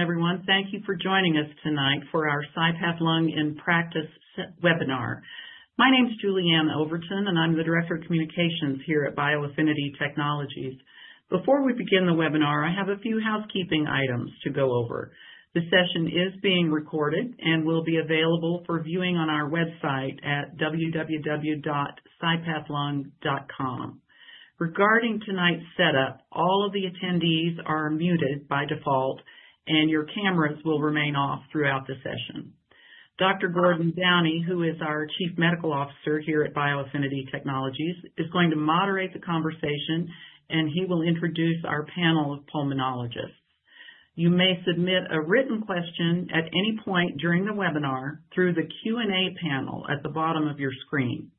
Everyone, thank you for joining us tonight for our CyPath Lung in Practice webinar. My name is Julie Anne, and I'm the Director of Communications here at bioAffinity Technologies. Before we begin the webinar, I have a few housekeeping items to go over. This session is being recorded and will be available for viewing on our website at www.cypathlung.com. Regarding tonight's setup, all of the attendees are muted by default, and your cameras will remain off throughout the session. Dr. Gordon Downie, who is our Chief Medical Officer here at bioAffinity Technologies, is going to moderate the conversation, and he will introduce our panel of Pulmonologists. You may submit a written question at any point during the webinar through the Q&A panel at the bottom of your screen.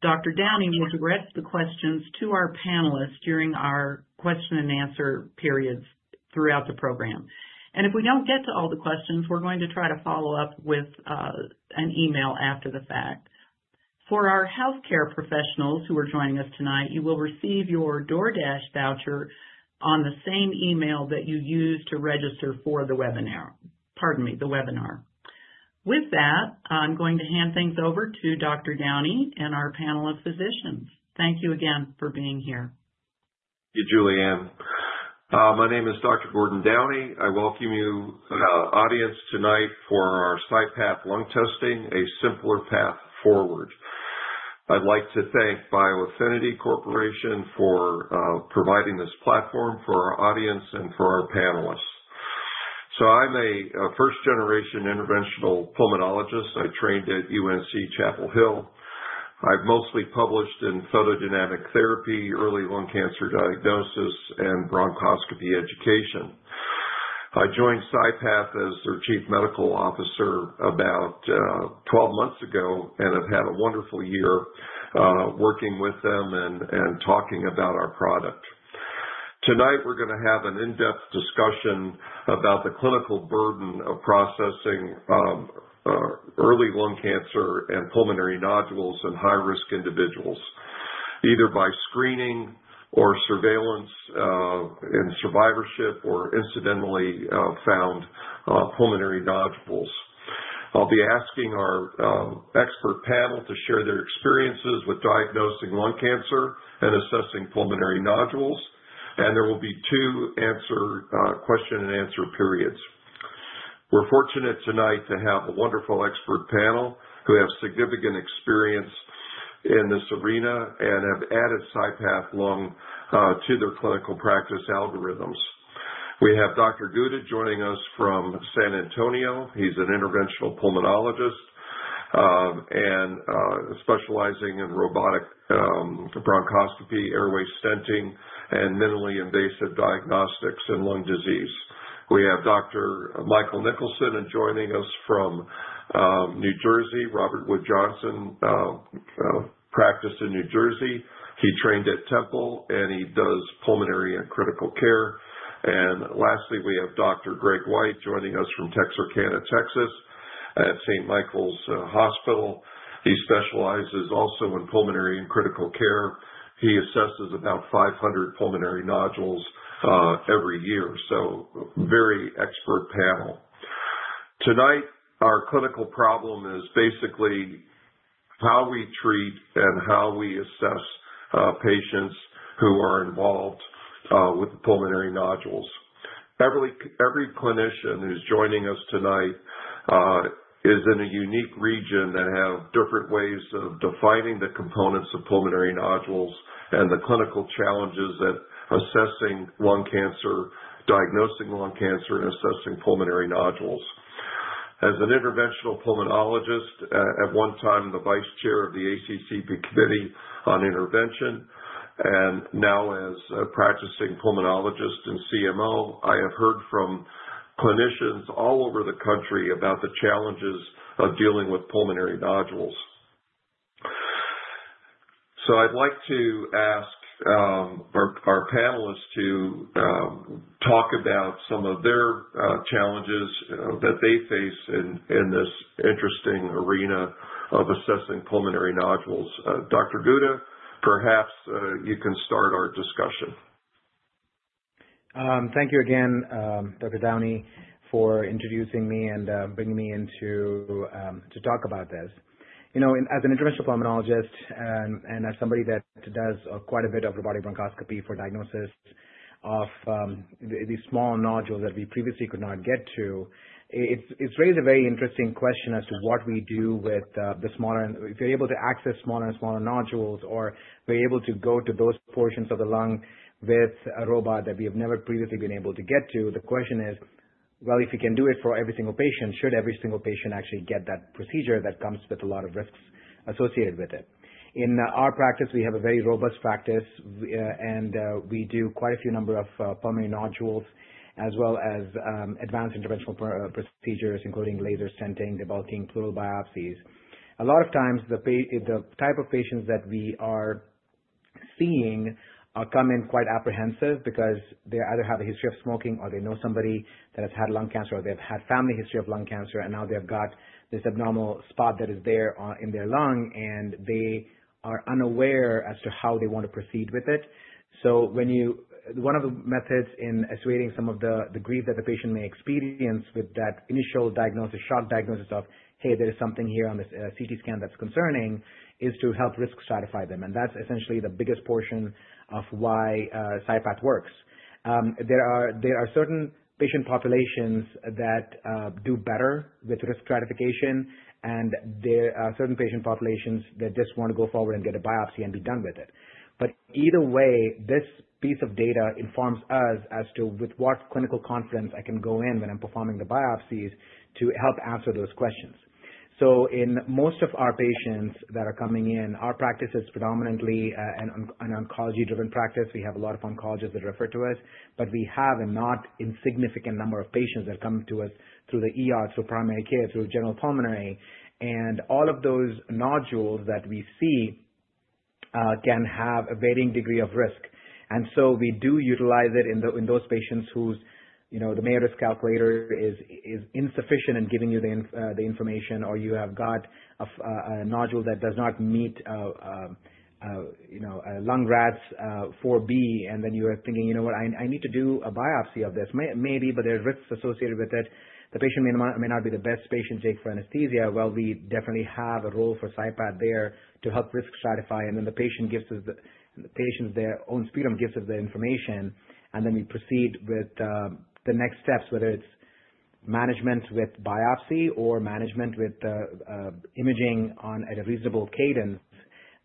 Dr. Downie will address the questions to our panelists during our question and answer periods throughout the program. If we don't get to all the questions, we're going to try to follow up with an email after the fact. For our healthcare professionals who are joining us tonight, you will receive your DoorDash voucher on the same email that you used to register for the webinar. With that, I'm going to hand things over to Dr. Downie and our panel of physicians. Thank you again for being here. Thank you, Julie Anne. My name is Dr. Gordon Downie. I welcome you, audience, tonight for our CyPath Lung Testing, A Simpler Path Forward. I'd like to thank bioAffinity Corporation for providing this platform for our audience and for our panelists. I'm a first-generation Interventional Pulmonologist. I trained at UNC Chapel Hill. I've mostly published in photodynamic therapy, early lung cancer diagnosis, and bronchoscopy education. I joined CyPath as their Chief Medical Officer about 12 months ago, and I've had a wonderful year working with them and talking about our product. Tonight, we're going to have an in-depth discussion about the clinical burden of processing early lung cancer and pulmonary nodules in high-risk individuals, either by screening or surveillance in survivorship or incidentally found pulmonary nodules. I'll be asking our expert panel to share their experiences with diagnosing lung cancer and assessing pulmonary nodules. There will be two question and answer periods. We're fortunate tonight to have a wonderful expert panel who have significant experience in this arena and have added CyPath Lung to their clinical practice algorithms. We have Dr. Guda joining us from San Antonio. He's an Interventional Pulmonologist and specializing in robotic bronchoscopy, airway stenting, and minimally invasive diagnostics in lung disease. We have Dr. Michael Nicholson joining us from New Jersey, Robert Wood Johnson practice in New Jersey. He trained at Temple, and he does pulmonary and critical care. Lastly, we have Dr. Greg White joining us from Texarkana, Texas, at Saint Michael's Medical Center. He specializes also in pulmonary and critical care. He assesses about 500 pulmonary nodules every year. Very expert panel. Tonight, our clinical problem is basically how we treat and how we assess patients who are involved with pulmonary nodules. Every clinician who's joining us tonight is in a unique region that have different ways of defining the components of pulmonary nodules and the clinical challenges that assessing lung cancer, diagnosing lung cancer, and assessing pulmonary nodules. As an Interventional Pulmonologist, at one time, the Vice Chair of the ACCP Committee on Intervention, and now as a practicing Pulmonologist and CMO, I have heard from clinicians all over the country about the challenges of dealing with pulmonary nodules. I'd like to ask our panelists to talk about some of their challenges that they face in this interesting arena of assessing pulmonary nodules. Dr. Guda, perhaps you can start our discussion. Thank you again, Dr. Downie, for introducing me and bringing me in to talk about this. As an Interventional Pulmonologist and as somebody that does quite a bit of robotic bronchoscopy for diagnosis of these small nodules that we previously could not get to, it's raised a very interesting question. If you're able to access smaller and smaller nodules, or we're able to go to those portions of the lung with a robot that we have never previously been able to get to, the question is, well, if you can do it for every single patient, should every single patient actually get that procedure that comes with a lot of risks associated with it? In our practice, we have a very robust practice, and we do quite a few number of pulmonary nodules as well as advanced interventional procedures, including laser stenting, debulking, pleural biopsies. A lot of times, the type of patients that we are seeing come in quite apprehensive because they either have a history of smoking or they know somebody that has had lung cancer, or they've had family history of lung cancer, and now they've got this abnormal spot that is there in their lung, and they are unaware as to how they want to proceed with it. One of the methods in assuaging some of the grief that the patient may experience with that initial diagnosis, shock diagnosis of "Hey, there is something here on this CT scan that's concerning," is to help risk stratify them. That's essentially the biggest portion of why CyPath works. There are certain patient populations that do better with risk stratification and there are certain patient populations that just want to go forward and get a biopsy and be done with it. Either way, this piece of data informs us as to with what clinical confidence I can go in when I'm performing the biopsies to help answer those questions. In most of our patients that are coming in, our practice is predominantly an oncology-driven practice. We have a lot of oncologists that refer to us, but we have a not insignificant number of patients that come to us through the ER, through primary care, through general pulmonary, and all of those nodules that we see can have a varying degree of risk. We do utilize it in those patients. The Mayo Clinic model is insufficient in giving you the information, or you have got a nodule that does not meet Lung-RADS 4B, and then you are thinking, "You know what? I need to do a biopsy of this." Maybe, but there are risks associated with it. The patient may not be the best patient take for anesthesia. Well, we definitely have a role for CyPath there to help risk-stratify, and then the patient's own sputum gives us the information, and then we proceed with the next steps, whether it's management with biopsy or management with imaging on a reasonable cadence.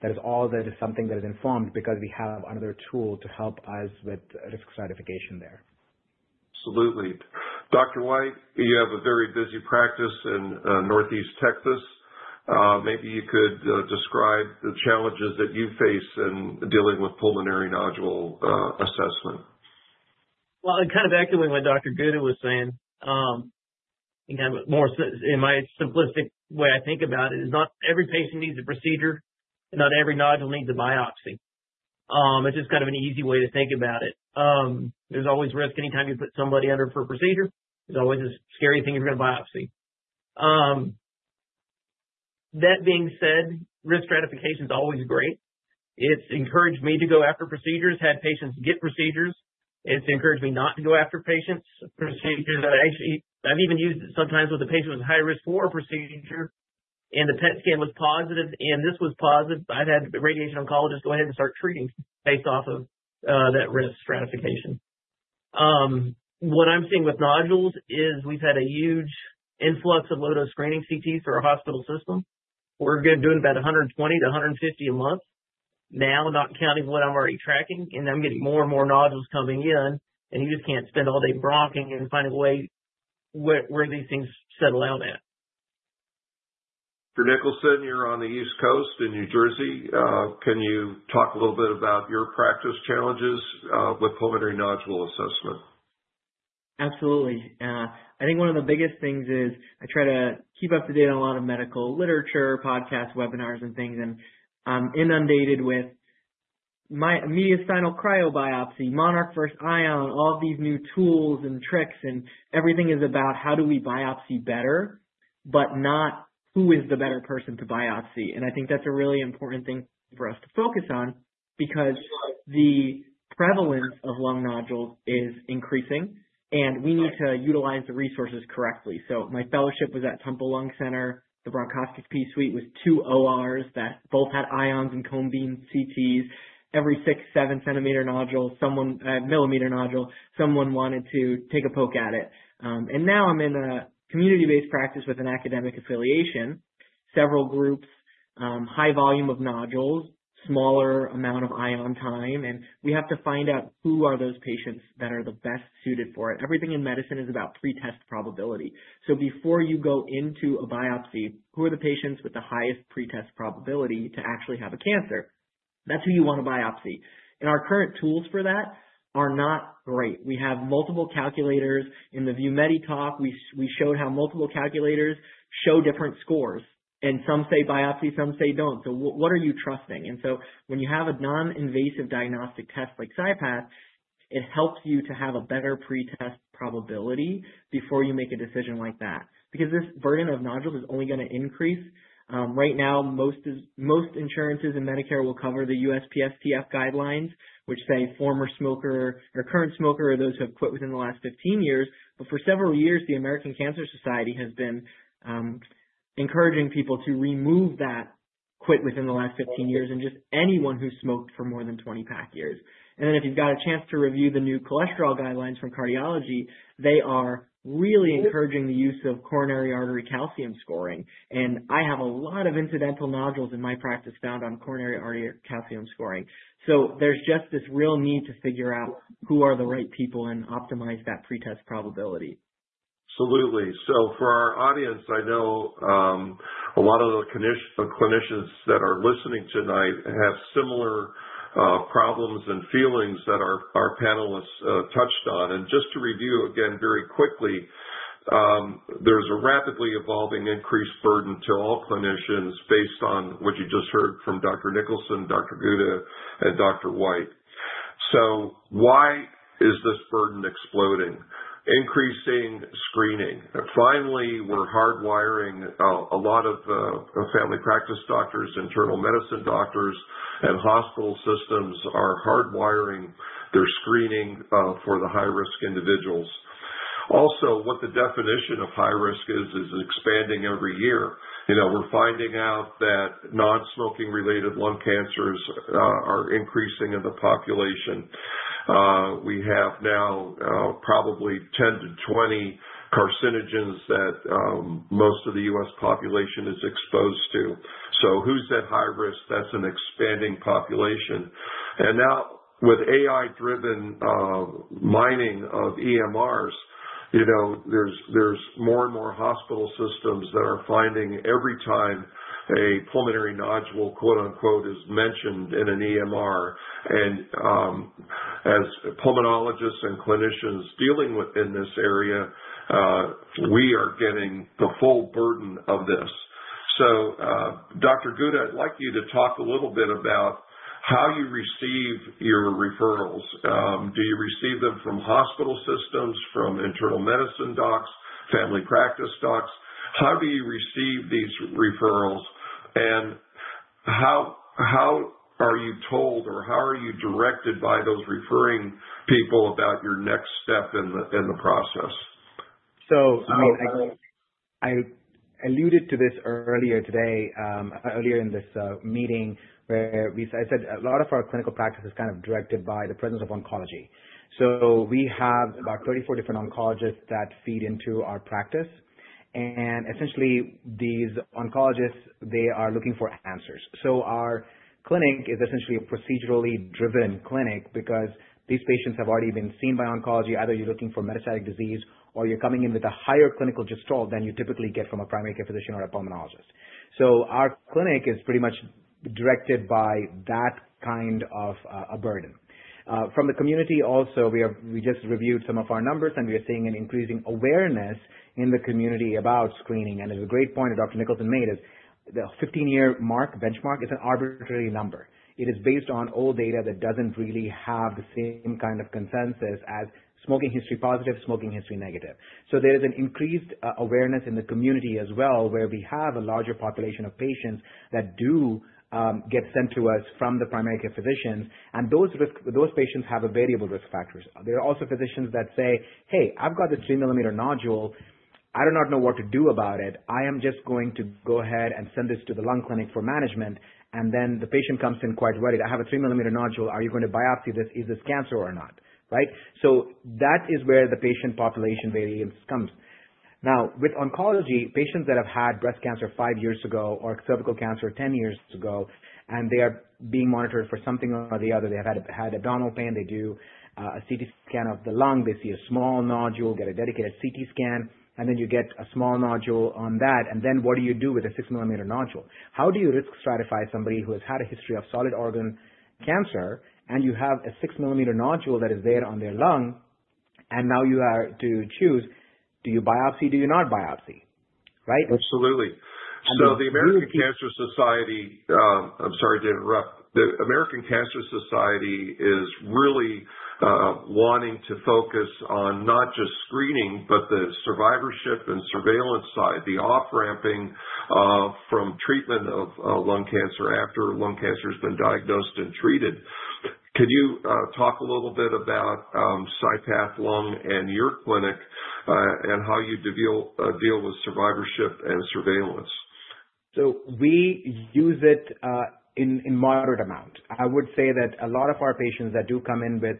That is all something that is informed because we have another tool to help us with risk stratification there. Absolutely. Dr. White, you have a very busy practice in Northeast Texas. Maybe you could describe the challenges that you face in dealing with pulmonary nodule assessment. Well, kind of echoing what Dr. Guda was saying, again, more so in my simplistic way I think about it, is not every patient needs a procedure, and not every nodule needs a biopsy. It's just kind of an easy way to think about it. There's always risk anytime you put somebody under for a procedure. There's always a scary thing if you have biopsy. That being said, risk stratification is always great. It's encouraged me to go after procedures, had patients get procedures. It's encouraged me not to go after patients for procedures. I've even used it sometimes where the patient was high risk for a procedure and the PET scan was positive and this was positive. I've had radiation oncologists go ahead and start treating based off of that risk stratification. What I'm seeing with nodules is we've had a huge influx of low-dose screening CTs through our hospital system. We're doing about 120-150 a month now, not counting what I'm already tracking. I'm getting more and more nodules coming in. You just can't spend all day bronching and finding a way where these things settle out at. Dr. Nicholson, you're on the East Coast in New Jersey. Can you talk a little bit about your practice challenges with pulmonary nodule assessment? Absolutely. I think one of the biggest things is I try to keep up to date on a lot of medical literature, podcasts, webinars, and things, and I'm inundated with mediastinal cryobiopsy, Monarch versus Ion, all of these new tools and tricks, and everything is about how do we biopsy better, but not who is the better person to biopsy. I think that's a really important thing for us to focus on because the prevalence of lung nodules is increasing, and we need to utilize the resources correctly. My fellowship was at Temple Lung Center, the bronchoscopy suite with two ORs that both had Ions and cone beam CTs. Every 6, 7 mm nodule, someone wanted to take a poke at it. Now I'm in a community-based practice with an academic affiliation. Several groups, high volume of nodules, smaller amount of Ion time, and we have to find out who are those patients that are the best suited for it. Everything in medicine is about pre-test probability. Before you go into a biopsy, who are the patients with the highest pre-test probability to actually have a cancer? That's who you want to biopsy. Our current tools for that are not great. We have multiple calculators. In the VuMedi talk, we showed how multiple calculators show different scores, and some say biopsy, some say don't. What are you trusting? When you have a non-invasive diagnostic test like CyPath, it helps you to have a better pre-test probability before you make a decision like that, because this burden of nodules is only going to increase. Right now, most insurances and Medicare will cover the USPSTF guidelines, which say former smoker or current smoker, or those who have quit within the last 15 years. For several years, the American Cancer Society has been encouraging people to remove that quit within the last 15 years and just anyone who smoked for more than 20 pack years. If you've got a chance to review the new cholesterol guidelines from cardiology, they are really encouraging the use of coronary artery calcium scoring. I have a lot of incidental nodules in my practice found on coronary artery calcium scoring. There's just this real need to figure out who are the right people and optimize that pre-test probability. Absolutely. For our audience, I know a lot of the clinicians that are listening tonight have similar problems and feelings that our panelists touched on. Just to review again very quickly, there's a rapidly evolving increased burden to all clinicians based on what you just heard from Dr. Nicholson, Dr. Guda, and Dr. White. Why is this burden exploding? Increasing screening. Finally, we're hardwiring a lot of family practice doctors, internal medicine doctors, and hospital systems are hardwiring their screening for the high-risk individuals. Also, what the definition of high risk is expanding every year. We're finding out that non-smoking related lung cancers are increasing in the population. We have now probably 10-20 carcinogens that most of the U.S. population is exposed to. Who's at high risk? That's an expanding population. Now with AI-driven mining of EMRs, there's more and more hospital systems that are finding every time a pulmonary nodule, quote-unquote, is mentioned in an EMR. As Pulmonologists and clinicians dealing within this area, we are getting the full burden of this. Dr. Guda, I'd like you to talk a little bit about how you receive your referrals. Do you receive them from hospital systems, from internal medicine docs, family practice docs? How do you receive these referrals, and how are you told, or how are you directed by those referring people about your next step in the process? I alluded to this earlier today, earlier in this meeting, where I said a lot of our clinical practice is kind of directed by the presence of oncology. We have about 34 different oncologists that feed into our practice. Essentially, these oncologists, they are looking for answers. Our clinic is essentially a procedurally driven clinic because these patients have already been seen by oncology. Either you're looking for metastatic disease or you're coming in with a higher clinical gestalt than you typically get from a primary care physician or a Pulmonologist. Our clinic is pretty much directed by that kind of a burden. From the community also, we just reviewed some of our numbers, and we are seeing an increasing awareness in the community about screening. It's a great point that Dr. Nicholson made is the 15-year mark, benchmark is an arbitrary number. It is based on old data that doesn't really have the same kind of consensus as smoking history positive, smoking history negative. There is an increased awareness in the community as well, where we have a larger population of patients that do get sent to us from the primary care physicians, and those patients have variable risk factors. There are also physicians that say, "Hey, I've got a 3 mm nodule. I do not know what to do about it. I am just going to go ahead and send this to the lung clinic for management." The patient comes in quite worried, "I have a 3 mm nodule. Are you going to biopsy this? Is this cancer or not?" Right? That is where the patient population variance comes. Now, with oncology, patients that have had breast cancer five years ago or cervical cancer 10 years ago, and they are being monitored for something or the other. They have had abdominal pain. They do a CT scan of the lung. They see a small nodule, get a dedicated CT scan, and then you get a small nodule on that. What do you do with a 6 mm nodule? How do you risk stratify somebody who has had a history of solid organ cancer, and you have a 6 mm nodule that is there on their lung, and now you have to choose, do you biopsy, do you not biopsy, right? Absolutely. I'm sorry to interrupt. The American Cancer Society is really wanting to focus on not just screening, but the survivorship and surveillance side, the off-ramping from treatment of lung cancer after lung cancer has been diagnosed and treated. Could you talk a little bit about CyPath Lung and your clinic, and how you deal with survivorship and surveillance? We use it in moderate amount. I would say that a lot of our patients that do come in with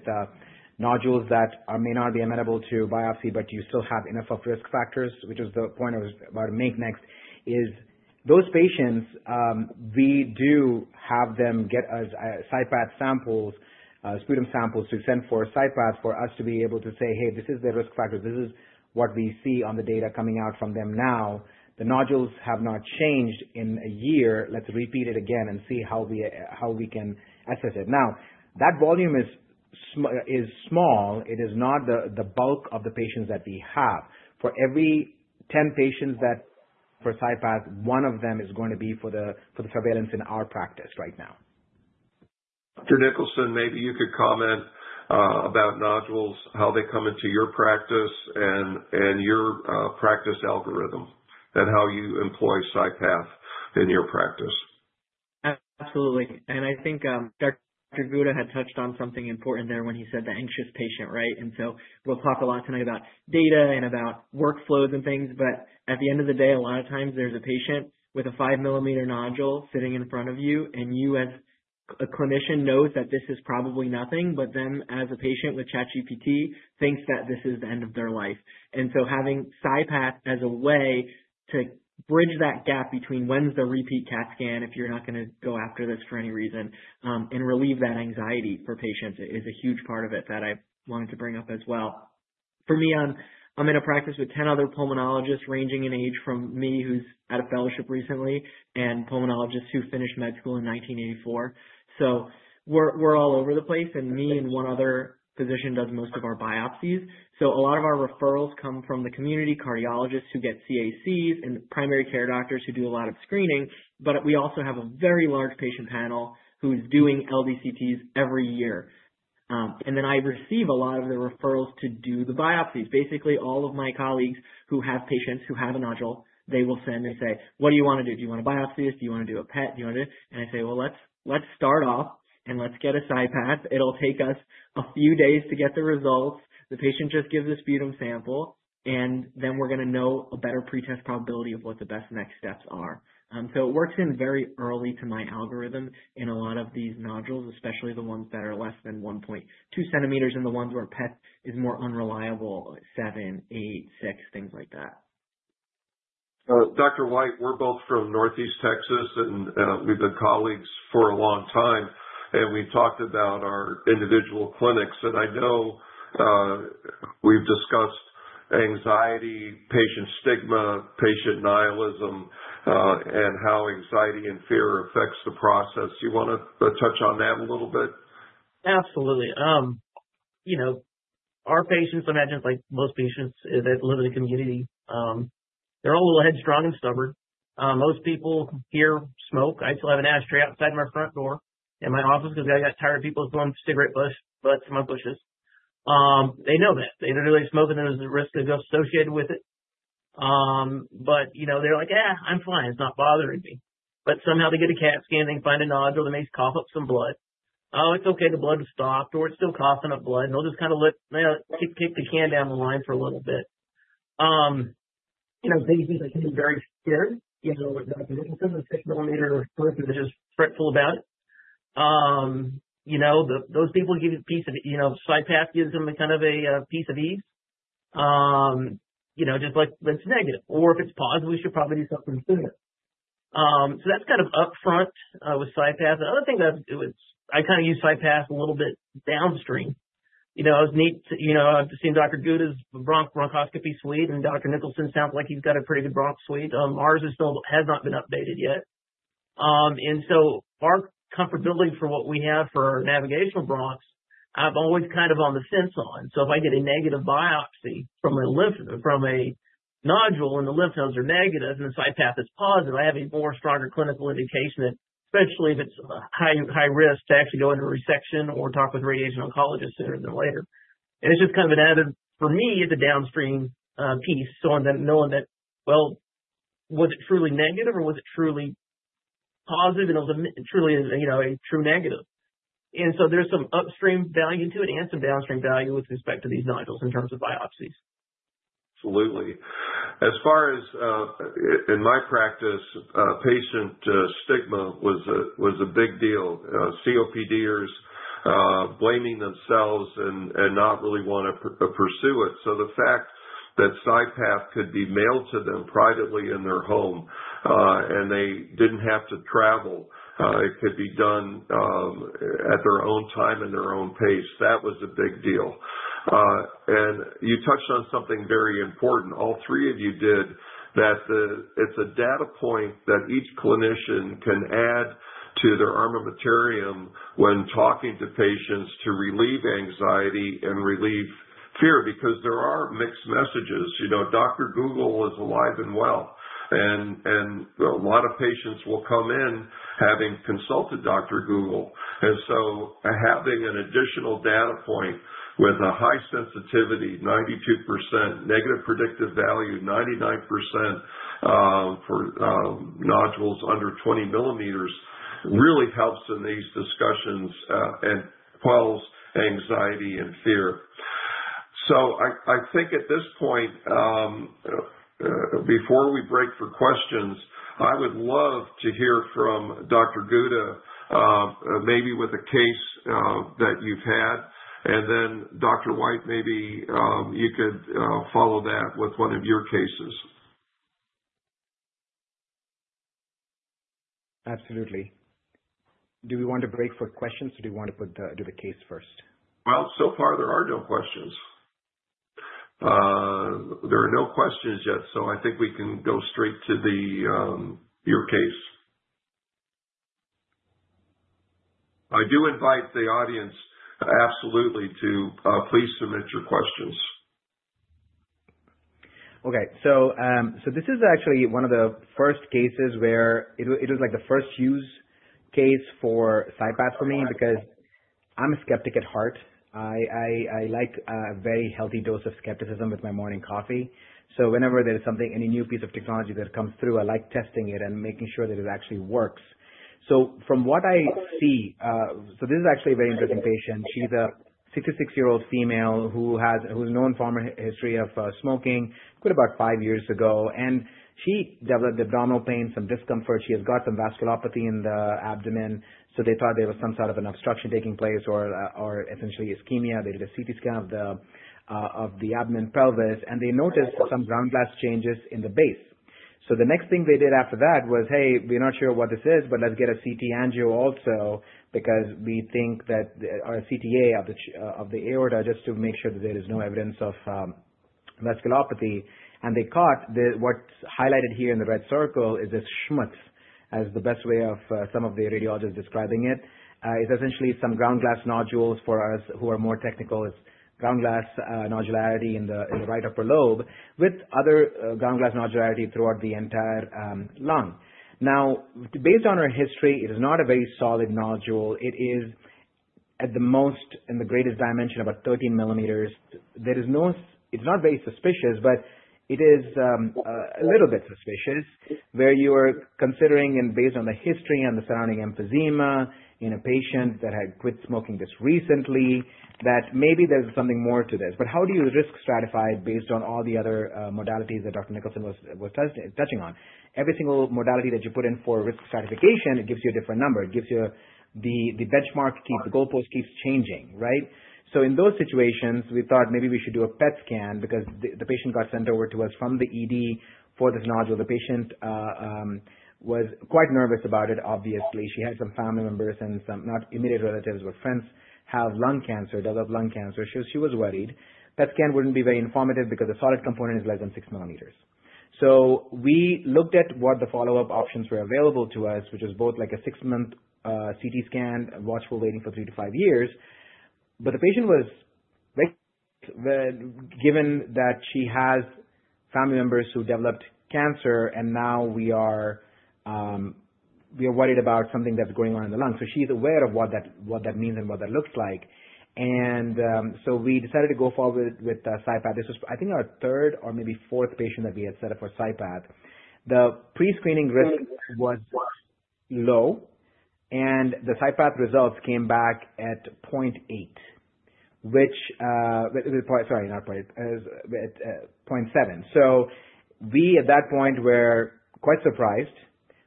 nodules that may not be amenable to biopsy, but you still have enough of risk factors, which is the point I was about to make next, is those patients. We do have them get us CyPath samples, sputum samples, to send for CyPath for us to be able to say, "Hey, this is the risk factor. This is what we see on the data coming out from them now. The nodules have not changed in a year. Let's repeat it again and see how we can assess it." Now, that volume is small. It is not the bulk of the patients that we have. For every 10 patients that for CyPath, one of them is going to be for the surveillance in our practice right now. Dr. Nicholson, maybe you could comment about nodules, how they come into your practice and your practice algorithm, and how you employ CyPath in your practice. Absolutely. I think Dr. Guda had touched on something important there when he said the anxious patient, right? We'll talk a lot tonight about data and about workflows and things, but at the end of the day, a lot of times there's a patient with a 5 mm nodule sitting in front of you, and you as a clinician know that this is probably nothing, but them as a patient with ChatGPT thinks that this is the end of their life. Having CyPath as a way to bridge that gap between when's the repeat CAT scan, if you're not going to go after this for any reason, and relieve that anxiety for patients is a huge part of it that I wanted to bring up as well. For me, I'm in a practice with 10 other Pulmonologists ranging in age from me, who's out of fellowship recently, and Pulmonologists who finished med school in 1984. We're all over the place, and me and one other physician does most of our biopsies. A lot of our referrals come from the community cardiologists who get CACs and the primary care doctors who do a lot of screening. We also have a very large patient panel who's doing LDCTs every year. I receive a lot of the referrals to do the biopsies. Basically, all of my colleagues who have patients who have a nodule, they will send me, say, what do you want to do? Do you want a biopsy? Do you want to do a PET? I say, well, let's start off and let's get a CyPath. It'll take us a few days to get the results. The patient just gives a sputum sample, and then we're going to know a better pretest probability of what the best next steps are. It works in very early to my algorithm in a lot of these nodules, especially the ones that are less than 1.2 cm and the ones where PET is more unreliable, like seven, eight, six, things like that. Dr. White, we're both from Northeast Texas, and we've been colleagues for a long time, and we've talked about our individual clinics. I know we've discussed anxiety, patient stigma, patient nihilism, and how anxiety and fear affects the process. You want to touch on that a little bit? Absolutely. Our patients, I imagine like most patients that live in the community, they're all a little headstrong and stubborn. Most people here smoke. I still have an ashtray outside my front door in my office because I got tired of people throwing cigarette butts in my bushes. They know that. They know they're smoking, there is a risk associated with it. They're like, "Eh, I'm fine. It's not bothering me." Somehow they get a CAT scan, they find a nodule that makes them cough up some blood. Oh, it's okay, the blood has stopped. It's still coughing up blood, and they'll just kind of kick the can down the line for a little bit. These people can be very scared, even though it doesn't make sense. A 6 mm growth and they're just fretful about it. Those people, CyPath gives them a kind of peace of ease. Just like, it's negative. If it's positive, we should probably do something sooner. That's kind of upfront with CyPath. The other thing, I kind of use CyPath a little bit downstream. It was neat to see Dr. Guda's bronchoscopy suite, and Dr. Michael Nicholson sounds like he's got a pretty good bronch suite. Ours still has not been updated yet. Our comfortability for what we have for navigational bronchs, I'm always kind of on the fence on. If I get a negative biopsy from a nodule and the lymph nodes are negative and the CyPath is positive, I have a more stronger clinical indication, especially if it's high risk, to actually go into a resection or talk with a radiation oncologist sooner than later. And it's just kind of an added, for me, it's a downstream piece, so I'm then knowing that, well, was it truly negative or was it truly positive and it was truly a true negative? And so there's some upstream value to it and some downstream value with respect to these nodules in terms of biopsies. Absolutely. As far as in my practice, patient stigma was a big deal, COPDers blaming themselves and not really want to pursue it. The fact that CyPath could be mailed to them privately in their home, and they didn't have to travel, it could be done at their own time and their own pace, that was a big deal. You touched on something very important, all three of you did, that it's a data point that each clinician can add to their armamentarium when talking to patients to relieve anxiety and relieve fear. Because there are mixed messages, Dr. Google is alive and well, and a lot of patients will come in having consulted Dr. Google. Having an additional data point with a high sensitivity, 92%, negative predictive value 99% for nodules under 20 mm, really helps in these discussions and quells anxiety and fear. I think at this point, before we break for questions, I would love to hear from Dr. Guda, maybe with a case that you've had, and then Dr. White, maybe you could follow that with one of your cases. Absolutely. Do we want to break for questions, or do you want to do the case first? Well, so far there are no questions. There are no questions yet, so I think we can go straight to your case. I do invite the audience, absolutely, to please submit your questions. Okay. This is actually one of the first cases where it was like the first use case for CyPath for me, because I'm a skeptic at heart. I like a very healthy dose of skepticism with my morning coffee. Whenever there is something, any new piece of technology that comes through, I like testing it and making sure that it actually works. From what I see, this is actually a very interesting patient. She's a 66-year-old female who's known former history of smoking, quit about five years ago, and she developed abdominal pain, some discomfort. She has got some vasculopathy in the abdomen, so they thought there was some sort of an obstruction taking place or essentially ischemia. They did a CT scan of the abdomen pelvis, and they noticed some ground-glass changes in the base. The next thing they did after that was, 'Hey, we're not sure what this is, but let's get a CT angio also because we think that our CTA of the aorta, just to make sure that there is no evidence of vasculopathy." They caught what's highlighted here in the red circle, is this schmutz, as the best way of some of the radiologists describing it. It's essentially some ground glass nodules for us who are more technical, it's ground glass nodularity in the right upper lobe with other ground glass nodularity throughout the entire lung. Now, based on her history, it is not a very solid nodule. It is, at the most, in the greatest dimension, about 13 mm. It's not very suspicious, but it is a little bit suspicious, where you are considering, and based on the history and the surrounding emphysema in a patient that had quit smoking just recently, that maybe there's something more to this. How do you risk stratify based on all the other modalities that Dr. Nicholson was touching on? Every single modality that you put in for risk stratification, it gives you a different number. The benchmark, the goalpost keeps changing, right? In those situations, we thought maybe we should do a PET scan because the patient got sent over to us from the ED for this nodule. The patient was quite nervous about it, obviously. She had some family members and some, not immediate relatives, but friends, developed lung cancer. She was worried. PET scan wouldn't be very informative because the solid component is less than six mm. We looked at what the follow-up options were available to us, which was both a six-month CT scan and watchful waiting for three to five years. The patient was very worried, given that she has family members who developed cancer and now we are worried about something that's going on in the lung. She's aware of what that means and what that looks like. We decided to go forward with CyPath. This was, I think, our third or maybe fourth patient that we had set up for CyPath. The pre-screening risk was low, and the CyPath results came back at 0.7. We, at that point, were quite surprised.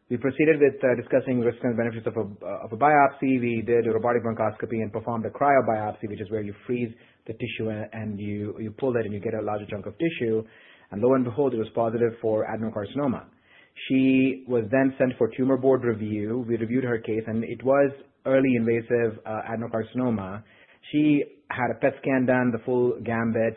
We proceeded with discussing risks and benefits of a biopsy. We did a robotic bronchoscopy and performed a cryobiopsy, which is where you freeze the tissue and you pull that and you get a larger chunk of tissue. Lo and behold, it was positive for adenocarcinoma. She was then sent for tumor board review. We reviewed her case, and it was early invasive adenocarcinoma. She had a PET scan done, the full gamut.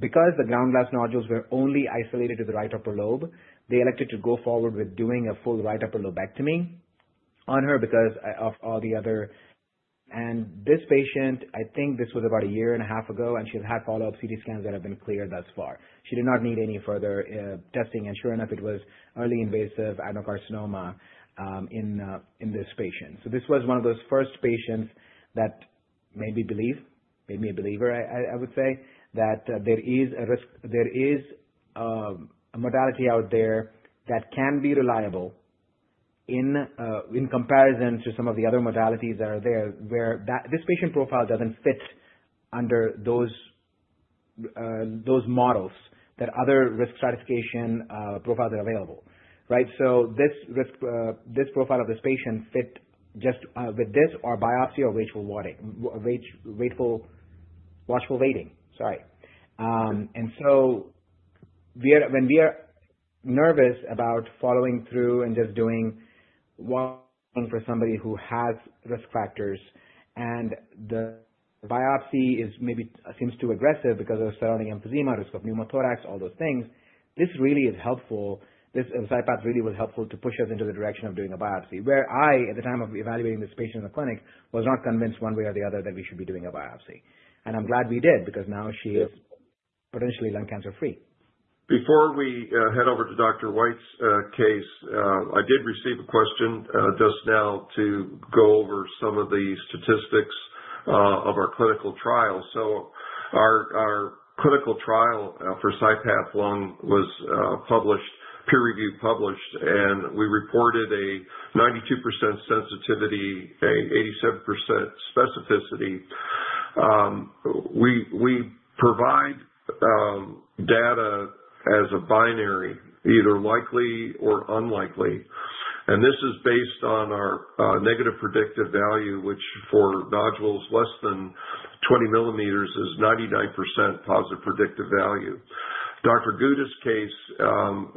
Because the ground glass nodules were only isolated to the right upper lobe, they elected to go forward with doing a full right upper lobectomy on her. This patient, I think this was about a year and a half ago, and she's had follow-up CT scans that have been clear thus far. She did not need any further testing, and sure enough, it was early invasive adenocarcinoma in this patient. This was one of those first patients that made me a believer, I would say, that there is a risk. There is a modality out there that can be reliable in comparison to some of the other modalities that are there, where this patient profile doesn't fit under those models, that other risk stratification profiles are available. Right? This profile of this patient fit just with this or biopsy or watchful waiting. When we are nervous about following through and just doing watching for somebody who has risk factors, and the biopsy maybe seems too aggressive because of surrounding emphysema, risk of pneumothorax, all those things, this really is helpful. This CyPath really was helpful to push us into the direction of doing a biopsy, where I, at the time of evaluating this patient in the clinic, was not convinced one way or the other that we should be doing a biopsy. I'm glad we did, because now she is potentially lung cancer-free. Before we head over to Dr. White's case, I did receive a question just now to go over some of the statistics of our clinical trial. So our clinical trial for CyPath Lung was peer-reviewed, published, and we reported a 92% sensitivity, a 87% specificity. We provide data as a binary, either likely or unlikely. And this is based on our negative predictive value, which for nodules less than 20 mm is 99% positive predictive value. Dr. Guda's case,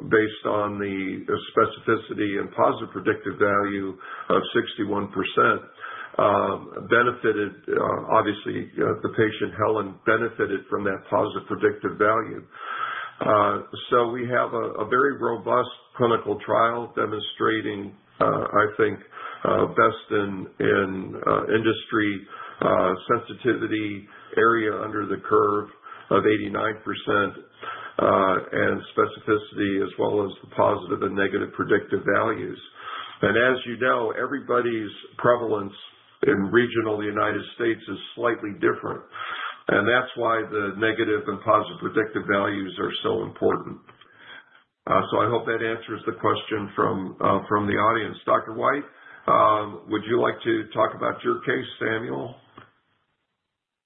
based on the specificity and positive predictive value of 61%, benefited, obviously, the patient, Helen, benefited from that positive predictive value. So we have a very robust clinical trial demonstrating, I think, best in industry sensitivity, area under the curve of 89%, and specificity as well as the positive and negative predictive values. As you know, everybody's prevalence in regional United States is slightly different, and that's why the negative and positive predictive values are so important. I hope that answers the question from the audience. Dr. White, would you like to talk about your case, Samuel?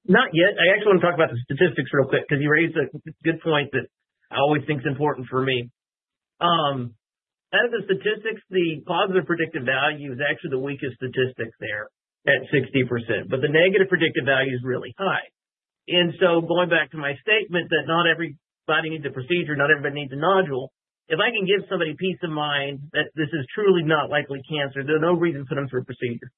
Not yet. I actually want to talk about the statistics real quick because you raised a good point that I always think is important for me. Out of the statistics, the positive predictive value is actually the weakest statistic there at 60%, but the negative predictive value is really high. Going back to my statement that not everybody needs a procedure, not everybody needs a nodule. If I can give somebody peace of mind that this is truly not likely cancer, there's no reason for them for a procedure.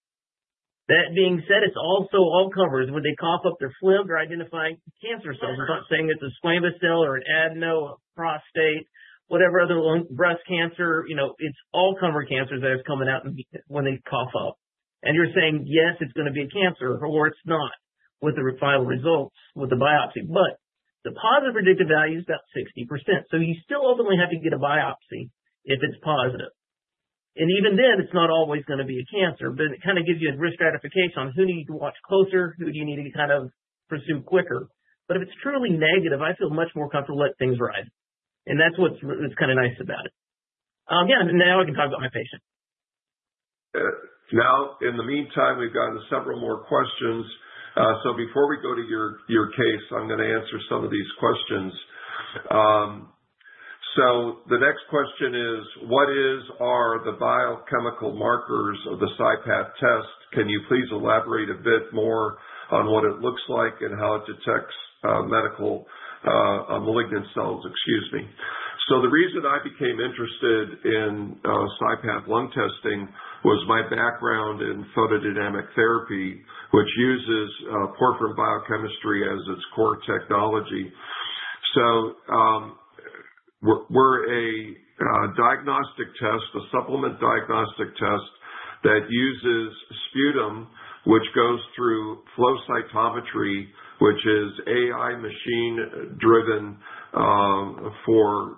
That being said, it's also all comers. When they cough up their phlegm, they're identifying cancer cells. It's not saying it's a squamous cell or an adeno, prostate, whatever other lung, breast cancer. It's all comer cancers that is coming out when they cough up. You're saying, yes, it's going to be a cancer or it's not with the final results with the biopsy. The positive predictive value is about 60%. You still ultimately have to get a biopsy if it's positive. Even then, it's not always going to be a cancer, but it kind of gives you a risk stratification on who you need to watch closer, who do you need to kind of pursue quicker. If it's truly negative, I feel much more comfortable to let things ride. That's what's kind of nice about it. Yeah. Now I can talk about my patient. In the meantime, we've gotten several more questions. Before we go to your case, I'm going to answer some of these questions. The next question is, what is/are the biochemical markers of the CyPath test? Can you please elaborate a bit more on what it looks like and how it detects medical malignant cells? Excuse me. The reason I became interested in CyPath Lung testing was my background in photodynamic therapy, which uses porphyrin biochemistry as its core technology. We're a supplement diagnostic test that uses sputum, which goes through flow cytometry, which is AI machine-driven for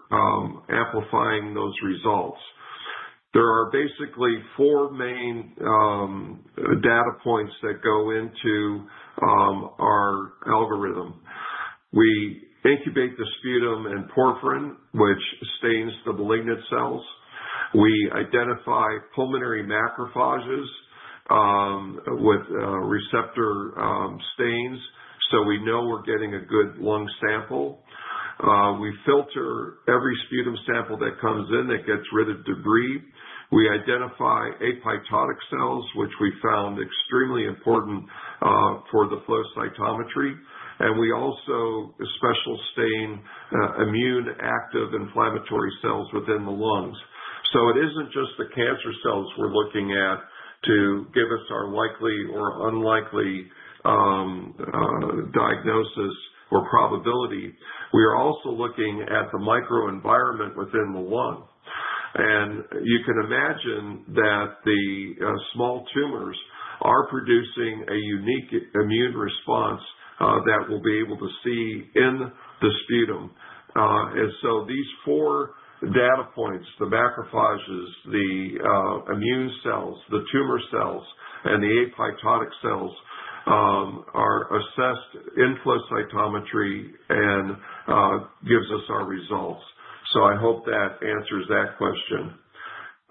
amplifying those results. There are basically four main data points that go into our algorithm. We incubate the sputum and porphyrin, which stains the malignant cells. We identify pulmonary macrophages with receptor stains, so we know we're getting a good lung sample. We filter every sputum sample that comes in that gets rid of debris. We identify apoptotic cells, which we found extremely important for the flow cytometry. We also special stain immune-active inflammatory cells within the lungs. It isn't just the cancer cells we're looking at to give us our likely or unlikely diagnosis or probability. We are also looking at the microenvironment within the lung. You can imagine that the small tumors are producing a unique immune response that we'll be able to see in the sputum. These four data points, the macrophages, the immune cells, the tumor cells, and the apoptotic cells, are assessed in flow cytometry and gives us our results. I hope that answers that question.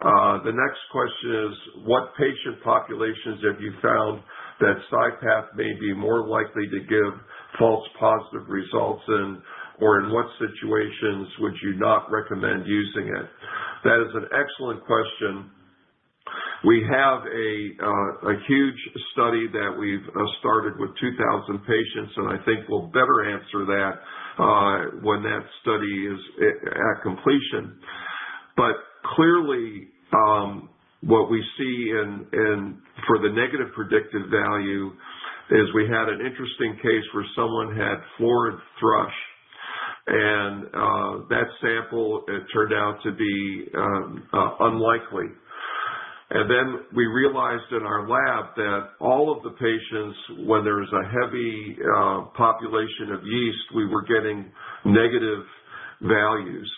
The next question is, what patient populations have you found that CyPath may be more likely to give false positive results in? In what situations would you not recommend using it? That is an excellent question. We have a huge study that we've started with 2,000 patients, and I think we'll better answer that when that study is at completion. Clearly, what we see for the negative predictive value is we had an interesting case where someone had florid thrush, and that sample turned out to be unlikely. We realized in our lab that all of the patients, when there's a heavy population of yeast, we were getting negative values.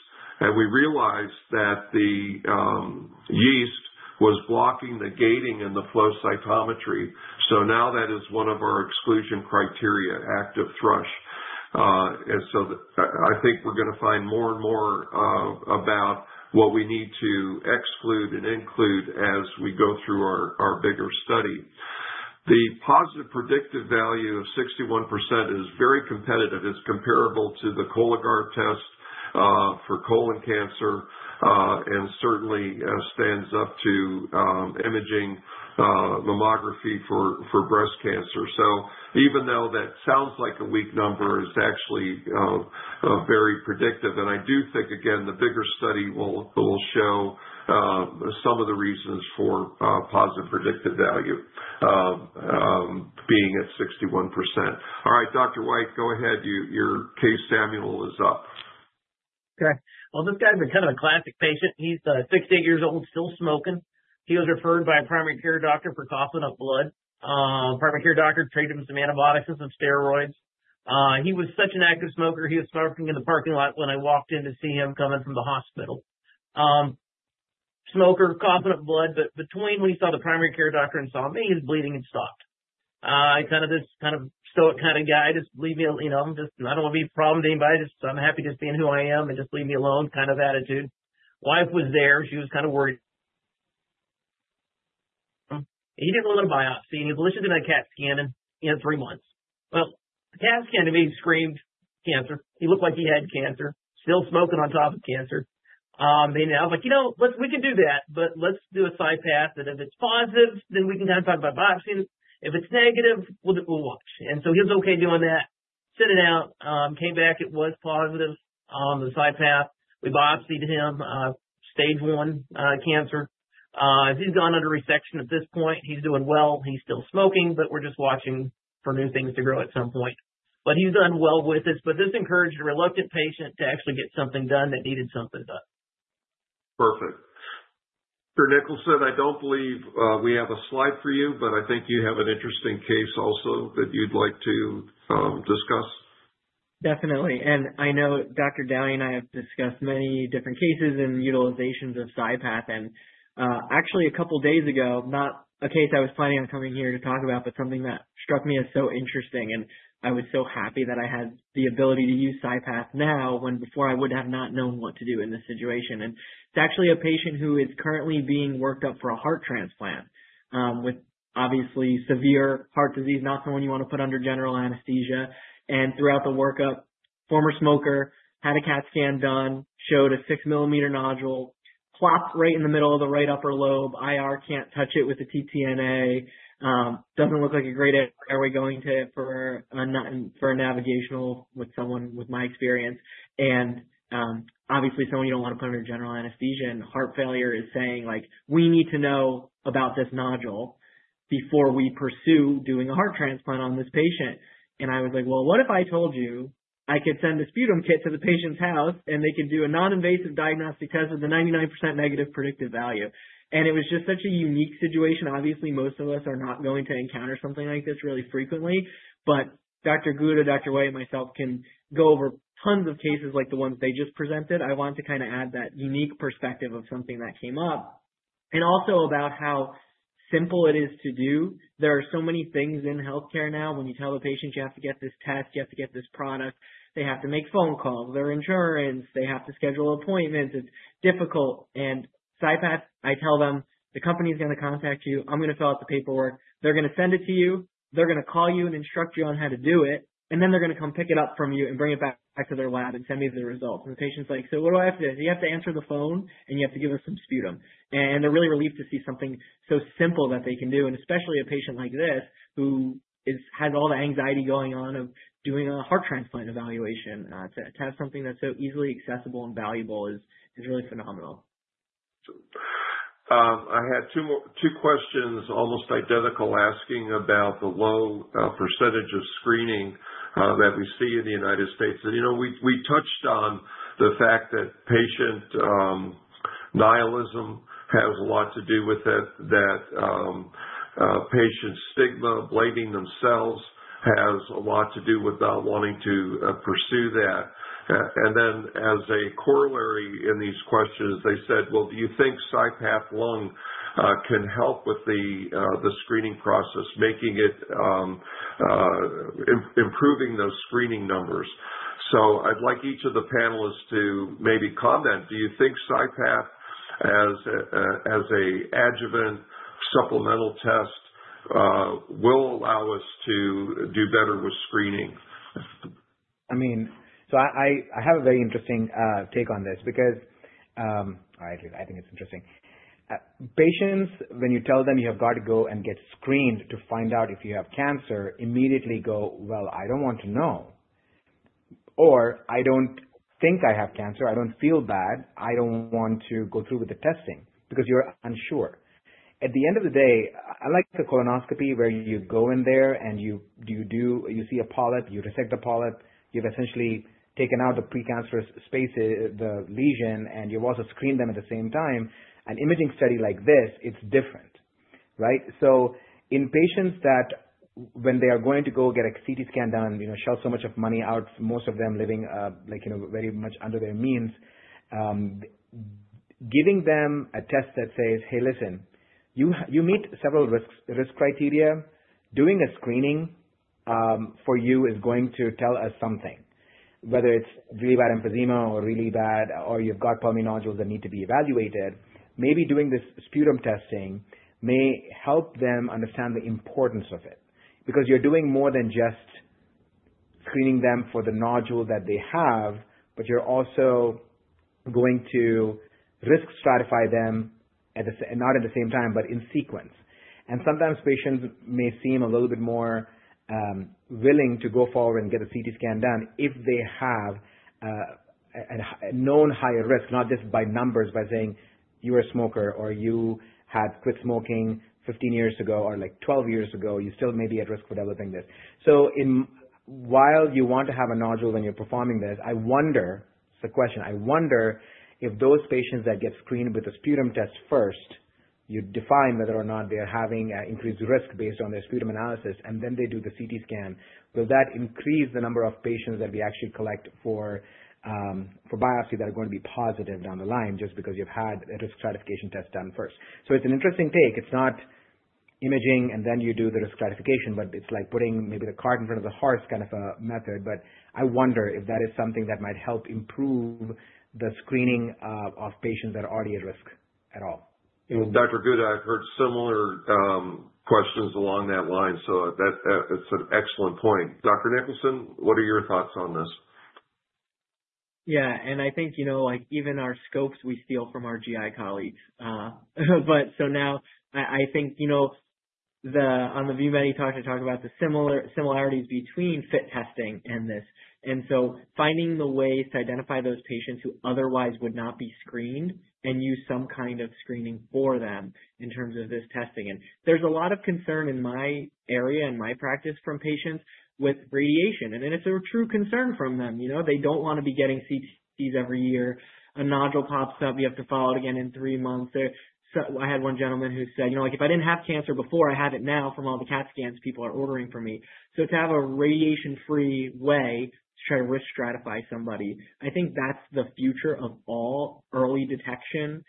We realized that the yeast was blocking the gating and the flow cytometry. Now that is one of our exclusion criteria, active thrush. I think we're going to find more and more about what we need to exclude and include as we go through our bigger study. The positive predictive value of 61% is very competitive. It's comparable to the Cologuard test for colon cancer, and certainly stands up to imaging mammography for breast cancer. Even though that sounds like a weak number, it's actually very predictive. I do think, again, the bigger study will show some of the reasons for positive predictive value being at 61%. All right, Dr. White, go ahead. Your case, Samuel, is up. Okay. Well, this guy's been kind of a classic patient. He's 68 years old, still smoking. He was referred by a primary care doctor for coughing up blood. Primary care doctor treated him with some antibiotics and some steroids. He was such an active smoker, he was smoking in the parking lot when I walked in to see him coming from the hospital. Smoker, coughing up blood. But between when he saw the primary care doctor and saw me, his bleeding had stopped. Kind of this stoic kind of guy, just leave me. I don't want to be a problem to anybody, I'm happy just being who I am and just leave me alone, kind of attitude. Wife was there. She was kind of worried. He didn't want a biopsy, and he was willing to do a CAT scan in three months. Well, the CAT scan to me screamed cancer. He looked like he had cancer. He was still smoking on top of cancer. I was like, "We can do that, but let's do a CyPath, and if it's positive, then we can kind of talk about biopsy. If it's negative, we'll watch." He was okay doing that. We sent it out, it came back, and it was positive on the CyPath. We biopsied him, and it was stage one cancer. He's gone under resection at this point. He's doing well. He's still smoking, but we're just watching for new things to grow at some point. He's done well with this, but this encouraged a reluctant patient to actually get something done that needed something done. Perfect. Dr. Nicholson, I don't believe we have a slide for you, but I think you have an interesting case also that you'd like to discuss. Definitely. I know Dr. Downie and I have discussed many different cases and utilizations of CyPath. Actually, a couple of days ago, not a case I was planning on coming here to talk about, but something that struck me as so interesting, and I was so happy that I had the ability to use CyPath now when before I would have not known what to do in this situation. It's actually a patient who is currently being worked up for a heart transplant, with obviously severe heart disease, not someone you want to put under general anesthesia. Throughout the workup, former smoker, had a CAT scan done, showed a 6 mm nodule plopped right in the middle of the right upper lobe. IR can't touch it with a TTNA. It doesn't look like a great area going to for a navigational with someone with my experience. Obviously someone you don't want to put under general anesthesia, and heart failure is saying, "We need to know about this nodule before we pursue doing a heart transplant on this patient." I was like, "Well, what if I told you I could send a sputum kit to the patient's house and they can do a non-invasive diagnostic test with a 99% negative predictive value?" It was just such a unique situation. Obviously, most of us are not going to encounter something like this really frequently, but Dr. Guda, Greg White, and myself can go over tons of cases like the ones they just presented. I want to kind of add that unique perspective of something that came up and also about how simple it is to do. There are so many things in healthcare now. When you tell the patient you have to get this test, you have to get this product. They have to make phone calls, their insurance, they have to schedule appointments. It's difficult. CyPath, I tell them, the company is going to contact you. I'm going to fill out the paperwork. They're going to send it to you. They're going to call you and instruct you on how to do it, and then they're going to come pick it up from you and bring it back to their lab and send me the results. The patient's like, what do I have to do? You have to answer the phone, and you have to give us some sputum. They're really relieved to see something so simple that they can do, and especially a patient like this who has all the anxiety going on of doing a heart transplant evaluation. To have something that's so easily accessible and valuable is really phenomenal. I had two questions, almost identical, asking about the low percentages of screening that we see in the United States. We touched on the fact that patient nihilism has a lot to do with it, that patient stigma, blaming themselves, has a lot to do with not wanting to pursue that. As a corollary in these questions, they said, well, do you think CyPath Lung can help with the screening process, improving those screening numbers? I'd like each of the panelists to maybe comment. Do you think CyPath as a adjuvant supplemental test will allow us to do better with screening? I have a very interesting take on this because I think it's interesting. Patients, when you tell them you have got to go and get screened to find out if you have cancer, immediately go, well, I don't want to know, or, I don't think I have cancer. I don't feel bad. I don't want to go through with the testing, because you're unsure. At the end of the day, I like the colonoscopy where you go in there and you see a polyp, you resect the polyp, you've essentially taken out the pre-cancerous lesion, and you've also screened them at the same time. An imaging study like this, it's different, right? In patients that when they are going to go get a CT scan done, shell so much of money out, most of them living very much under their means, giving them a test that says, "Hey, listen, you meet several risk criteria. Doing a screening for you is going to tell us something, whether it's really bad emphysema or really bad or you've got pulmonary nodules that need to be evaluated." Maybe doing this sputum testing may help them understand the importance of it, because you're doing more than just screening them for the nodule that they have, but you're also going to risk stratify them, not at the same time, but in sequence. Sometimes patients may seem a little bit more willing to go forward and get a CT scan done if they have a known higher risk, not just by numbers, by saying, you're a smoker or you had quit smoking 15 years ago or like 12 years ago, you still may be at risk for developing this. While you want to have a nodule when you're performing this, I wonder, it's a question. I wonder if those patients that get screened with a sputum test first, you define whether or not they're having an increased risk based on their sputum analysis, and then they do the CT scan. Will that increase the number of patients that we actually collect for biopsy that are going to be positive down the line just because you've had a risk stratification test done first? It's an interesting take. It's not imaging and then you do the risk stratification, but it's like putting maybe the cart in front of the horse kind of a method. I wonder if that is something that might help improve the screening of patients that are already at risk. Dr. Guda, I've heard similar questions along that line, so that is an excellent point. Dr. Nicholson, what are your thoughts on this? Yeah. I think even our scopes we steal from our GI colleagues. Now I think, on the ViewMedica talk, they talk about the similarities between FIT testing and this, finding the ways to identify those patients who otherwise would not be screened and use some kind of screening for them in terms of this testing. There's a lot of concern in my area, in my practice from patients with radiation, and it's a true concern from them. They don't want to be getting CTs every year. A nodule pops up, you have to follow it again in three months. I had one gentleman who said, "If I didn't have cancer before, I have it now from all the CAT scans people are ordering for me." To have a radiation-free way to try to risk-stratify somebody, I think that's the future of all early detection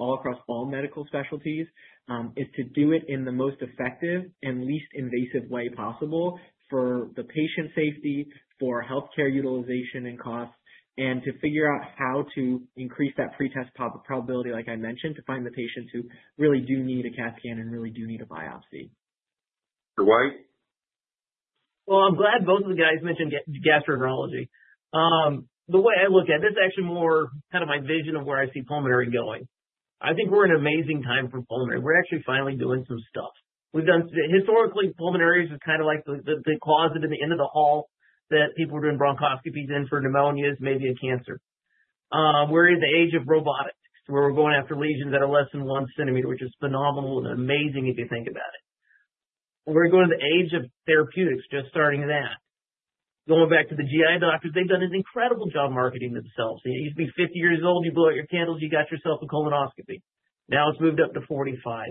across all medical specialties, is to do it in the most effective and least invasive way possible for the patient safety, for healthcare utilization and cost, and to figure out how to increase that pretest probability, like I mentioned, to find the patients who really do need a CAT scan and really do need a biopsy. Dr. White? Well, I'm glad both of the guys mentioned gastroenterology. The way I look at it, this is actually more kind of my vision of where I see pulmonary going. I think we're in an amazing time for pulmonary. We're actually finally doing some stuff. Historically, pulmonary is kind of like the closet in the end of the hall that people were doing bronchoscopies in for pneumonias, maybe a cancer. We're in the age of robotics, where we're going after lesions that are less than one centimeter, which is phenomenal and amazing if you think about it. We're going to the age of therapeutics, just starting that. Going back to the GI doctors, they've done an incredible job marketing themselves. You used to be 50 years old, you blow out your candles, you got yourself a colonoscopy. Now it's moved up to 45.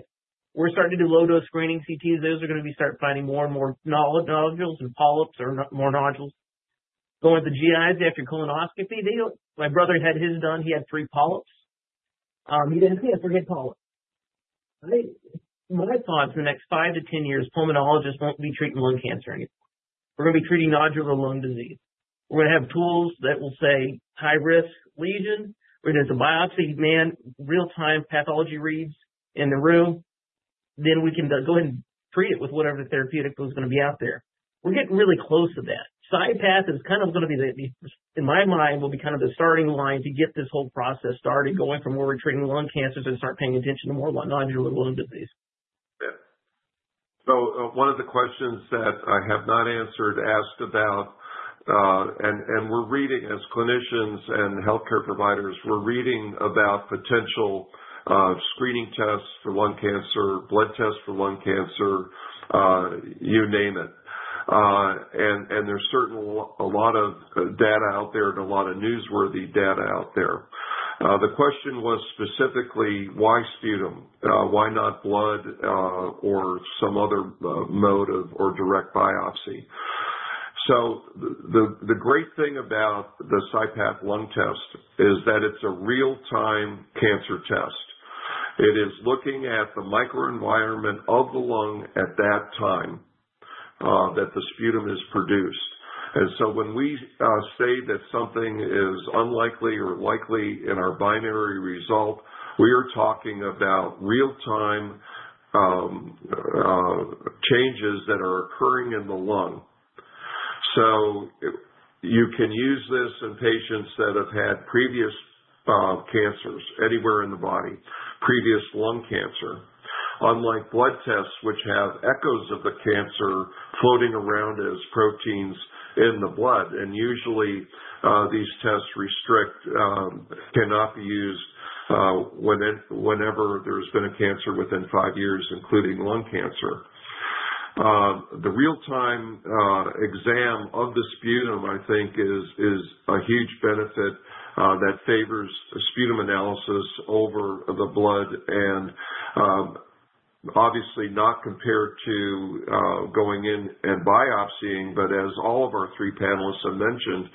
We're starting to do low-dose screening CTs. Those are going to start finding more and more nodules and polyps or more nodules. Going to the GIs after colonoscopy, my brother had his done. He had three polyps. He didn't see a frigging polyp. My thought for the next five to 10 years, Pulmonologists won't be treating lung cancer anymore. We're going to be treating nodular lung disease. We're going to have tools that will say high-risk lesion. We're going to do the biopsy, man. Real-time pathology reads in the room. We can go ahead and treat it with whatever therapeutic is going to be out there. We're getting really close to that. CyPath, in my mind, will be kind of the starting line to get this whole process started, going from where we're treating lung cancers and start paying attention to more nodular lung disease. Yeah. One of the questions that I have not answered asked about, and as clinicians and healthcare providers, we're reading about potential screening tests for lung cancer, blood tests for lung cancer, you name it. There's certainly a lot of data out there and a lot of newsworthy data out there. The question was specifically why sputum? Why not blood, or some other mode or direct biopsy? The great thing about the CyPath Lung test is that it's a real-time cancer test. It is looking at the microenvironment of the lung at that time that the sputum is produced. When we say that something is unlikely or likely in our binary result, we are talking about real-time changes that are occurring in the lung. You can use this in patients that have had previous cancers anywhere in the body, previous lung cancer, unlike blood tests which have echoes of the cancer floating around as proteins in the blood. Usually, these tests cannot be used whenever there's been a cancer within five years, including lung cancer. The real-time exam of the sputum, I think, is a huge benefit that favors a sputum analysis over the blood, and obviously not compared to going in and biopsying. As all of our three panelists have mentioned,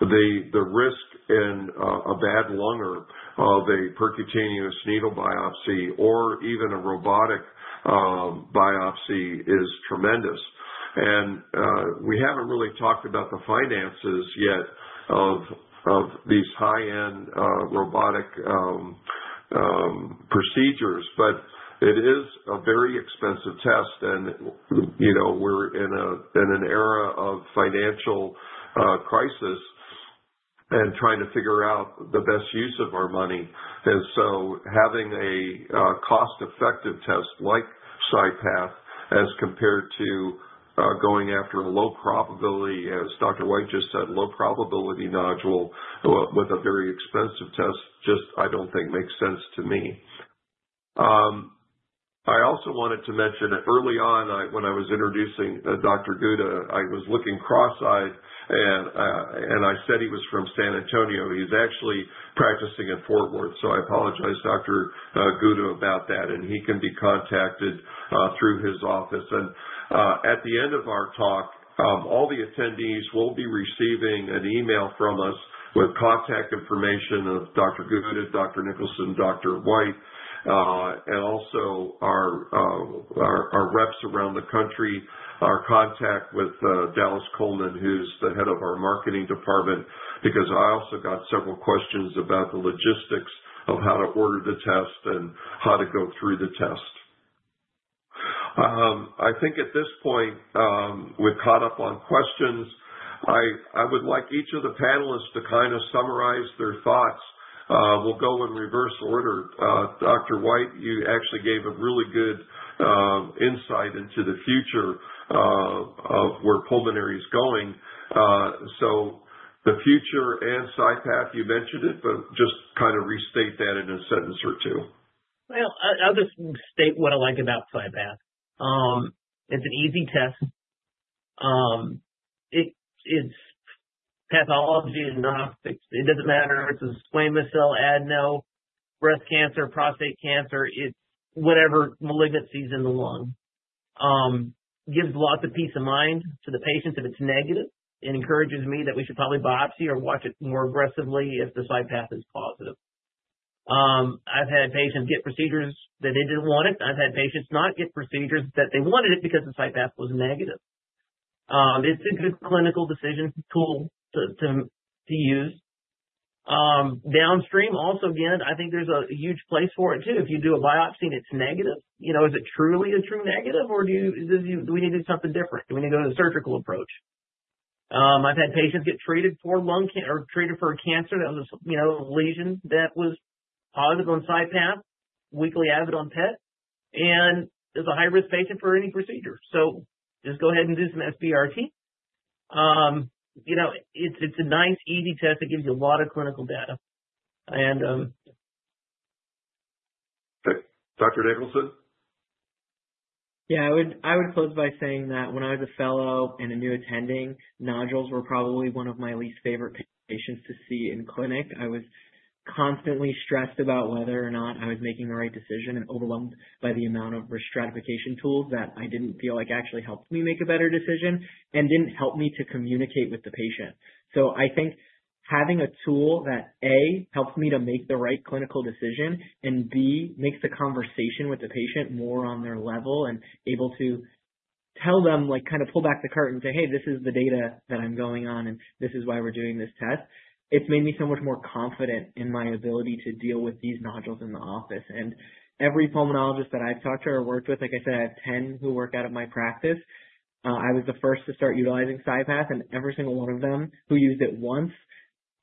the risk in a bad lunger of a percutaneous needle biopsy or even a robotic biopsy is tremendous. We haven't really talked about the finances yet of these high-end robotic procedures. It is a very expensive test, and we're in an era of financial crisis and trying to figure out the best use of our money. Having a cost-effective test like CyPath as compared to going after low probability, as Dr. White just said, low probability nodule with a very expensive test, just I don't think makes sense to me. I also wanted to mention, early on when I was introducing Dr. Guda, I was looking cross-eyed, and I said he was from San Antonio. He's actually practicing in Fort Worth, so I apologize, Dr. Guda, about that, and he can be contacted through his office. At the end of our talk, all the attendees will be receiving an email from us with contact information of Dr. Guda, Dr. Nicholson, Dr. White, and also our reps around the country. Our contact with Dallas Coleman, who's the Head of our Marketing Department, because I also got several questions about the logistics of how to order the test and how to go through the test. I think at this point, we've caught up on questions. I would like each of the panelists to kind of summarize their thoughts. We'll go in reverse order. Dr. White, you actually gave a really good insight into the future of where pulmonary is going. The future and CyPath, you mentioned it, but just kind of restate that in a sentence or two. Well, I'll just state what I like about CyPath. It's an easy test. Its pathology is agnostic. It doesn't matter if it's a squamous cell, adeno, breast cancer, prostate cancer. It's whatever malignancy is in the lung. It gives lots of peace of mind to the patients if it's negative, and encourages me that we should probably biopsy or watch it more aggressively if the CyPath is positive. I've had patients get procedures that they didn't want. I've had patients not get procedures that they wanted because the CyPath was negative. It's a good clinical decision tool to use. Downstream also, again, I think there's a huge place for it too. If you do a biopsy and it's negative, is it truly a true negative, or do we need to do something different? Do we need to go to the surgical approach? I've had patients get treated for a cancer that was a lesion that was positive on CyPath, weakly avid on PET, and is a high-risk patient for any procedure. Just go ahead and do some SBRT. It's a nice easy test that gives you a lot of clinical data. Okay. Dr. Nicholson? Yeah. I would close by saying that when I was a fellow and a new attending, nodules were probably one of my least favorite patients to see in clinic. I was constantly stressed about whether or not I was making the right decision and overwhelmed by the amount of risk stratification tools that I didn't feel like actually helped me make a better decision and didn't help me to communicate with the patient. I think having a tool that, A, helps me to make the right clinical decision, and B, makes the conversation with the patient more on their level and able to tell them, like kind of pull back the curtain and say, "Hey, this is the data that I'm going on, and this is why we're doing this test." It's made me so much more confident in my ability to deal with these nodules in the office. Every Pulmonologist that I've talked to or worked with, like I said, I have 10 who work out of my practice. I was the first to start utilizing CyPath, and every single one of them who used it once,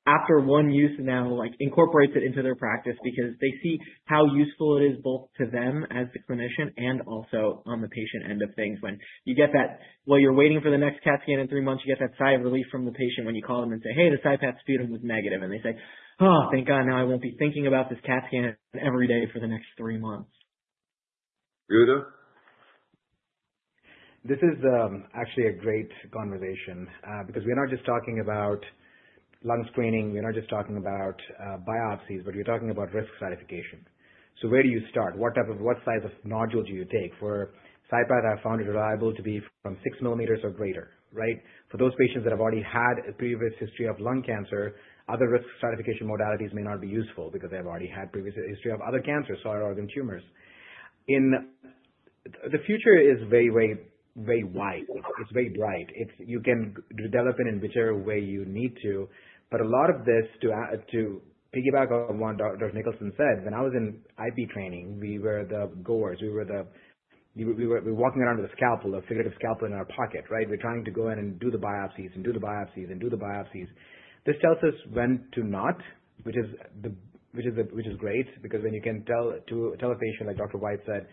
after one use now, incorporates it into their practice because they see how useful it is both to them as the clinician and also on the patient end of things. When you get that while you're waiting for the next CAT scan in three months, you get that sigh of relief from the patient when you call them and say, "Hey, the CyPath sputum was negative." They say, "Oh, thank God. Now I won't be thinking about this CAT scan every day for the next three months. Guda? This is actually a great conversation because we're not just talking about lung screening. We're not just talking about biopsies, but we're talking about risk stratification. Where do you start? What size of nodule do you take? For CyPath, I found it reliable to be from 6 mm or greater, right? For those patients that have already had a previous history of lung cancer, other risk stratification modalities may not be useful because they've already had previous history of other cancers or organ tumors. The future is very wide. It's very bright. You can develop it in whichever way you need to. A lot of this, to piggyback on what Dr. Nicholson said, when I was in IP training, we were the goers. We were walking around with a scalpel, a figurative scalpel in our pocket, right? We're trying to go in and do the biopsies. This tells us when to not, which is great, because when you can tell a patient, like Dr. White said,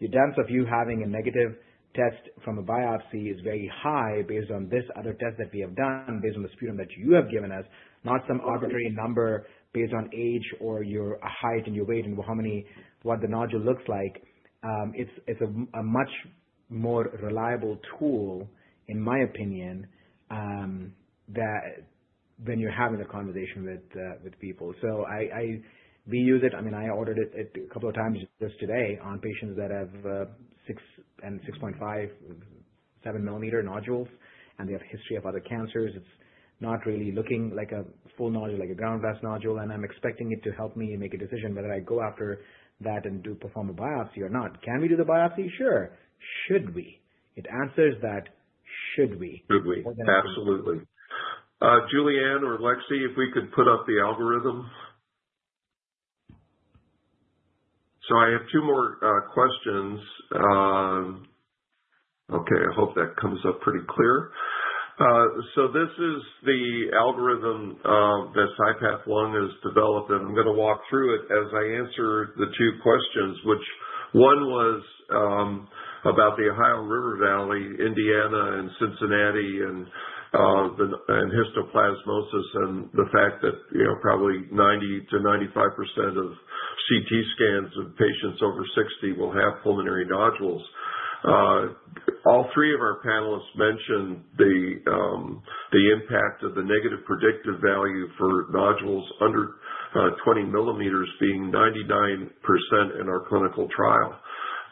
the chance of you having a negative test from a biopsy is very high based on this other test that we have done, based on the sputum that you have given us, not some arbitrary number based on age or your height and your weight, and how many, what the nodule looks like. It's a much more reliable tool, in my opinion, when you're having a conversation with people. We use it. I mean, I ordered it a couple of times just today on patients that have 6 and 6.5, 7 mm nodules, and they have a history of other cancers. It's not really looking like a full nodule, like a ground-glass nodule, and I'm expecting it to help me make a decision whether I go after that and do perform a biopsy or not. Can we do the biopsy? Sure. Should we? It answers that, should we? Should we? Absolutely. Julie Anne or Lexi, if we could put up the algorithm. I have two more questions. Okay, I hope that comes up pretty clear. This is the algorithm that CyPath Lung has developed, and I'm going to walk through it as I answer the two questions, which one was about the Ohio River Valley, Indiana, and Cincinnati, and histoplasmosis, and the fact that probably 90%-95% of CT scans of patients over 60 will have pulmonary nodules. All three of our panelists mentioned the impact of the negative predictive value for nodules under 20 mm being 99% in our clinical trial.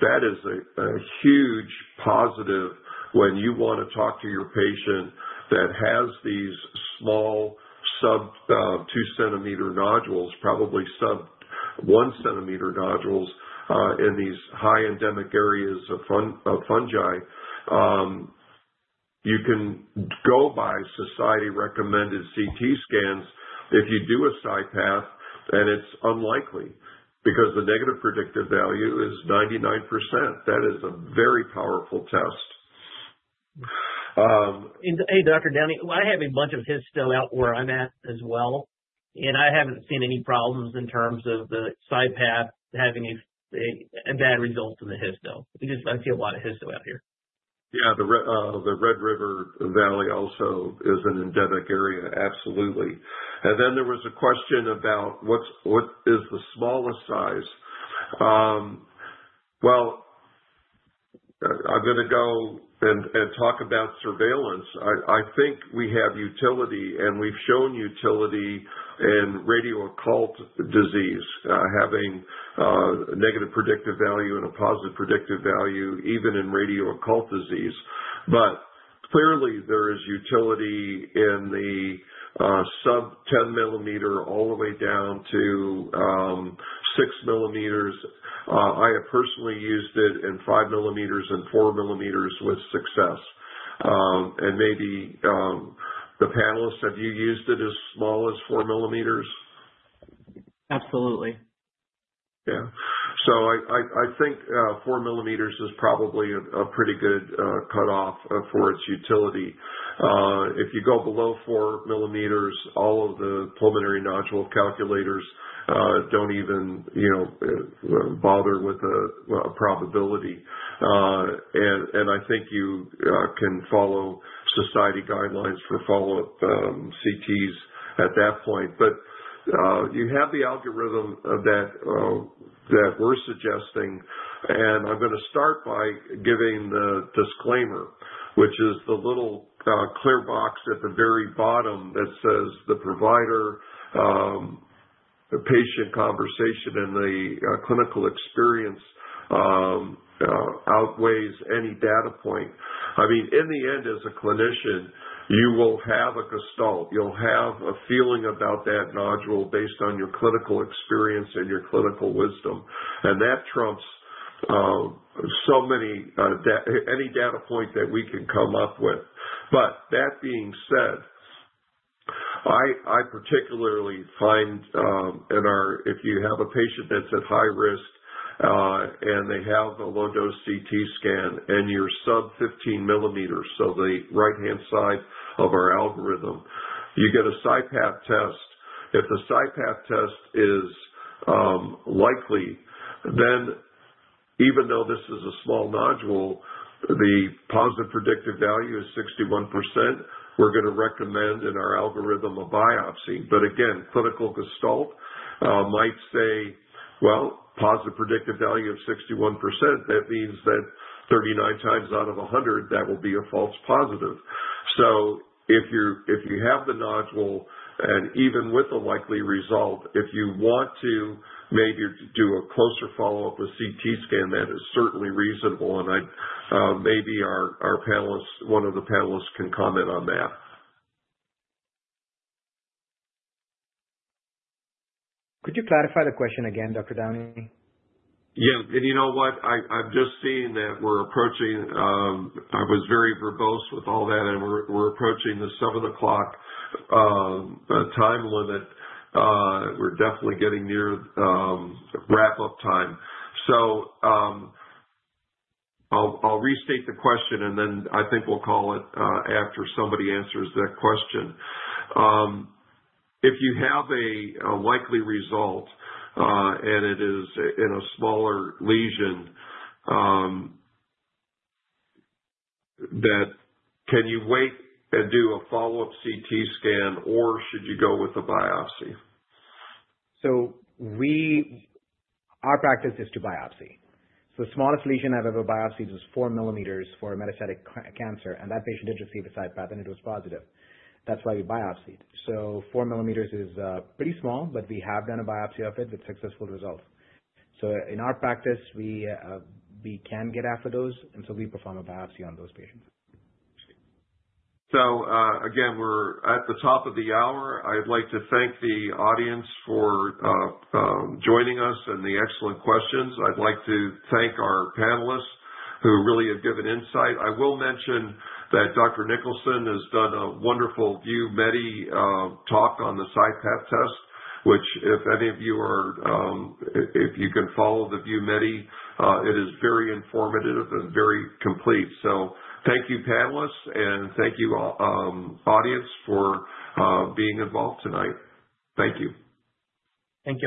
That is a huge positive when you want to talk to your patient that has these small sub two-centimeter nodules, probably sub one-centimeter nodules, in these high endemic areas of fungi. You can go by society-recommended CT scans. If you do a CyPath, then it's unlikely, because the negative predictive value is 99%. That is a very powerful test. Hey, Dr. Downie, I have a bunch of Histo out where I'm at as well. I haven't seen any problems in terms of the CyPath having a bad result in the Histo because I see a lot of Histo out here. Yeah. The Red River Valley also is an endemic area. Absolutely. There was a question about what is the smallest size. Well, I'm going to go and talk about surveillance. I think we have utility, and we've shown utility in radio-occult disease, having a negative predictive value and a positive predictive value even in radio-occult disease. Clearly there is utility in the sub-10 mm all the way down to 6 mm. I have personally used it in 5 mm and 4 mm with success. Maybe, the panelists, have you used it as small as 4 mm? Absolutely. Yeah. I think 4 mm is probably a pretty good cutoff for its utility. If you go below four mm, all of the pulmonary nodule calculators don't even bother with the probability. I think you can follow society guidelines for follow-up CTs at that point. You have the algorithm that we're suggesting, and I'm going to start by giving the disclaimer, which is the little clear box at the very bottom that says, the provider, the patient conversation, and the clinical experience outweighs any data point. In the end, as a clinician, you will have a gestalt. You'll have a feeling about that nodule based on your clinical experience and your clinical wisdom. That trumps any data point that we can come up with. That being said, I particularly find if you have a patient that's at high risk, and they have a low-dose CT scan and you're sub 15 mm, so the right-hand side of our algorithm, you get a CyPath test. If the CyPath test is likely, then even though this is a small nodule, the positive predictive value is 61%. We're going to recommend in our algorithm a biopsy. Again, clinical gestalt might say, well, positive predictive value of 61%. That means that 39 times out of 100, that will be a false positive. If you have the nodule and even with a likely result, if you want to maybe do a closer follow-up with CT scan, that is certainly reasonable. Maybe one of the panelists can comment on that. Could you clarify the question again, Dr. Downie? Yeah. You know what, I've just seen that. I was very verbose with all that, and we're approaching the 7:00 P.M. time limit. We're definitely getting near wrap-up time. I'll restate the question, and then I think we'll call it after somebody answers that question. If you have a likely result, and it is in a smaller lesion, can you wait and do a follow-up CT scan, or should you go with a biopsy? Our practice is to biopsy. The smallest lesion I've ever biopsied was 4 mm for metastatic cancer, and that patient did receive a CyPath, and it was positive. That's why we biopsied. 4 mm is pretty small, but we have done a biopsy of it with successful results. In our practice, we can get after those, and so we perform a biopsy on those patients. Again, we're at the top of the hour. I'd like to thank the audience for joining us and the excellent questions. I'd like to thank our panelists who really have given insight. I will mention that Dr. Nicholson has done a wonderful ViewMedica talk on the CyPath test, which if you can follow the ViewMedica, it is very informative and very complete. Thank you, panelists, and thank you audience for being involved tonight. Thank you. Thank you.